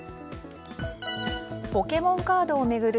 ポケモンカードを巡る